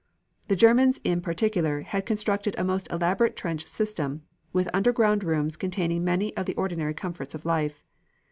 The Germans in particular had constructed a most elaborate trench system, with underground rooms containing many of the ordinary comforts of life.